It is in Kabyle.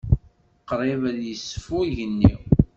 Qrib ad yeṣfu yigenni.